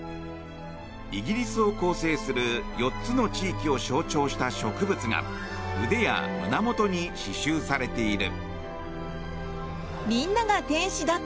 イギリスを構成する４つの地域を象徴した植物が腕や胸元に刺しゅうされている。